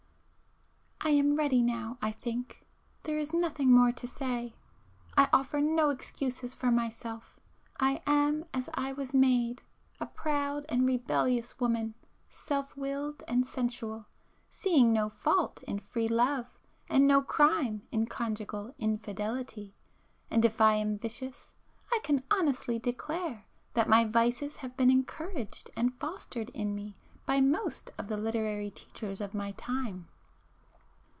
····· I am ready now, I think. There is nothing more to say. I offer no excuses for myself. I am as I was made,—a proud and rebellious woman, self willed and sensual, seeing no fault in free love, and no crime in conjugal infidelity,—and if I am vicious, I can honestly declare that my vices have been encouraged and fostered in me by most of the literary teachers of my time.